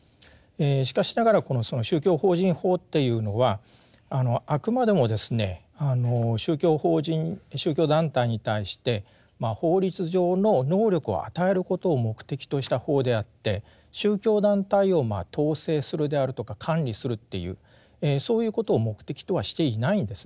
しかしながらその宗教法人法っていうのはあくまでもですね宗教法人宗教団体に対して法律上の能力を与えることを目的とした法であって宗教団体を統制するであるとか管理するっていうそういうことを目的とはしていないんですね。